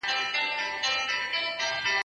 کتابونه وليکه؟